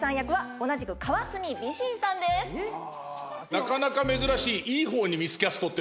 なかなか珍しい。